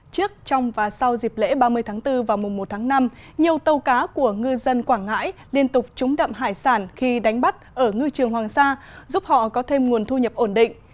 trước trong và sau dịp lễ ba mươi tháng bốn và mùa một tháng năm nhiều tàu cá của ngư dân quảng ngãi liên tục trúng đậm hải sản khi đánh bắt ở ngư trường hoàng sa giúp họ có thêm nguồn thu nhập ổn định